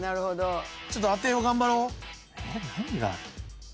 ちょっと当てよう頑張ろう。